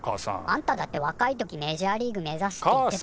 あんただって若い時メジャーリーグ目指すって。